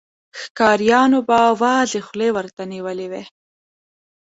ښکاريانو به وازې خولې ورته نيولې وې.